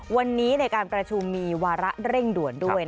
วันนี้ในการประชุมมีวาระเร่งด่วนด้วย